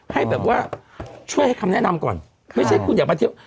ให้แบบว่าช่วยให้คำแนะนำก่อนไม่ใช่คุณอยากมาเที่ยว